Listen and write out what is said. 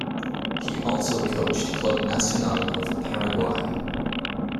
He also coached Club Nacional of Paraguay.